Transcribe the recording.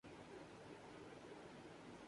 election commission کے خط میں کہا گیا ہے